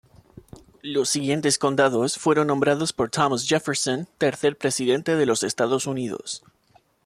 Los siguientes condados fueron nombrados por Thomas Jefferson, tercer Presidente de los Estados Unidos.